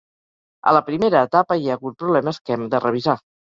A la primera etapa hi ha hagut problemes que hem de revisar.